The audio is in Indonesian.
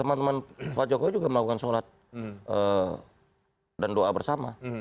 teman teman pak jokowi juga melakukan sholat dan doa bersama